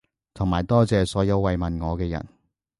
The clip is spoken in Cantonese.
同埋多謝所有慰問我嘅人